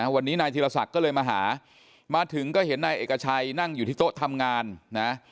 วันนี้นายธีรศักดิ์ก็เลยมาหามาถึงก็เห็นนายเอกชัยนั่งอยู่ที่โต๊ะทำงานนะ